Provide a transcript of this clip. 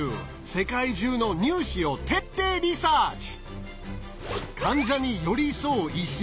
世界中の入試を徹底リサーチ！